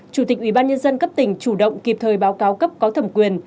chủ tịch ubnd cấp tỉnh chủ động kịp thời báo cáo cấp có thẩm quyền